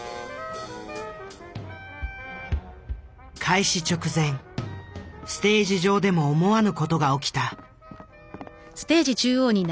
開始直前ステージ上でも思わぬ事が起きた。